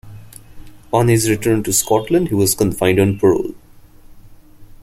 On his return to Scotland he was confined on parole.